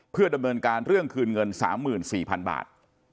เพื่อดำเนินการเรื่องคืนเงิน๓๔๐๐๐บาท